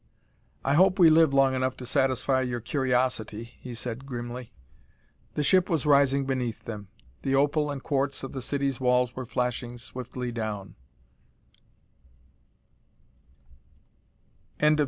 "I hope we live long enough to satisfy your curiosity," he said grimly. The ship was rising beneath them; the opal and quartz of the city's walls were flashing swiftly down.